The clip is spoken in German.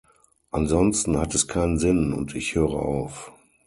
Ansonsten hat es keinen Sinn und ich höre auf.